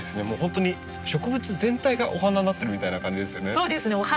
もうほんとに植物全体がお花になってるみたいな感じですよね。